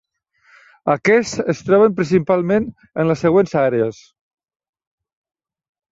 Aquests es troben principalment en les següents àrees.